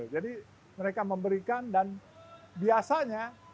jadi mereka memberikan dan biasanya